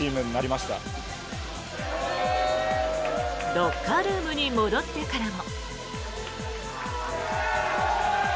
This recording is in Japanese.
ロッカールームに戻ってからも。